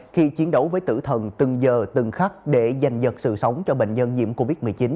khi chiến đấu với tử thần từng giờ từng khắc để giành nhật sự sống cho bệnh nhân nhiễm covid một mươi chín